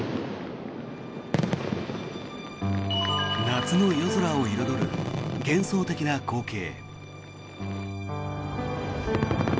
夏の夜空を彩る幻想的な光景。